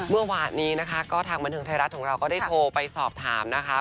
เมื่อวานนี้นะคะก็ทางบันเทิงไทยรัฐของเราก็ได้โทรไปสอบถามนะคะ